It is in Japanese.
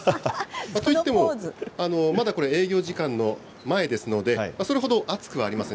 と言っても、まだこれ、営業時間の前ですので、それほど熱くはありません。